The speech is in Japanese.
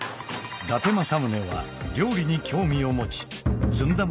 伊達政宗は料理に興味を持ちずんだ